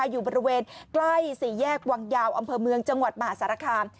อยู่บริเวณใกล้สี่แยกวังยาวอำเภอเมืองจังหวัดมหาสารคาม